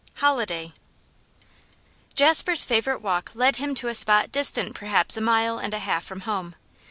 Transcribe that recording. HOLIDAY Jasper's favourite walk led him to a spot distant perhaps a mile and a half from home.